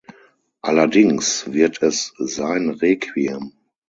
Allerdings wird es sein Requiem.